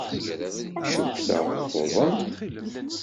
Cukkteɣ tuḍen.